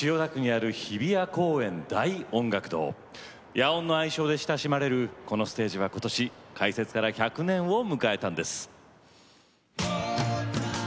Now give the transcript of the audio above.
「野音」の愛称で親しまれるこのステージは今年開設から１００年を迎えたんです。